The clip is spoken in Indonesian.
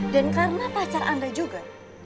dan karena pacar anda juga